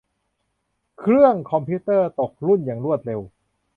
เครื่องคอมพิวเตอร์ตกรุ่นอย่างรวดเร็ว